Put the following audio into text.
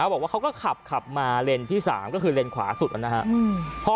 บอกว่าเขาก็ขับมาเลนส์ที่๓ก็คือเลนขวาสุดนะครับ